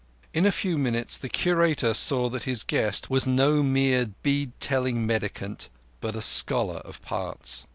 In a few minutes the Curator saw that his guest was no mere bead telling mendicant, but a scholar of parts.